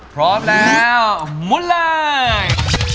พร้อมแล้วหมุนไลน์